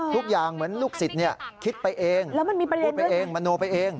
ทุกอย่างเหมือนลูกศิษย์คิดไปเองมโนไปเอง